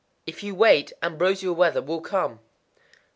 _ If you wait, ambrosial weather will come.